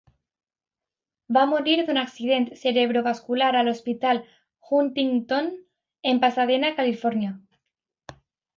Va morir d'un accident cerebrovascular a l'Hospital Huntington de Pasadena, Califòrnia.